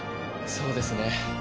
そうですね。